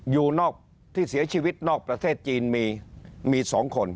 อยู่นอกที่เสียชีวิตนอกประเทศจีนมี๒คน